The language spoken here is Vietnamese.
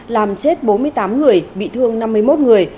làm chết bốn mươi tám người bị thương năm mươi một người